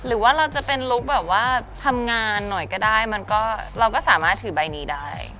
หรือว่าเราจะเป็นลุคแบบว่าทำงานหน่อยก็ได้มันก็เราก็สามารถถือใบนี้ได้